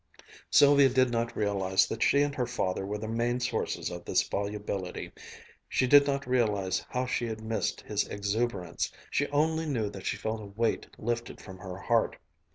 Sylvia did not realize that she and her father were the main sources of this volubility, she did not realize how she had missed his exuberance, she only knew that she felt a weight lifted from her heart.